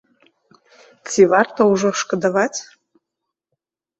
Ці варта ўжо шкадаваць?